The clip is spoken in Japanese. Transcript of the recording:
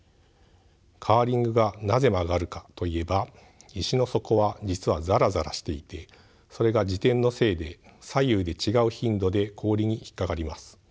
カーリングがなぜ曲がるかといえば石の底は実はザラザラしていてそれが自転のせいで左右で違う頻度で氷に引っ掛かります。